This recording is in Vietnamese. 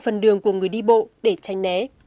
phần đường của người đi bộ để tranh né